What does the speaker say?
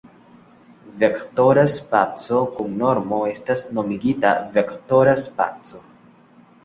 Vektora spaco kun normo estas normigita vektora spaco.